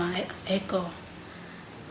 yang sudah berhasil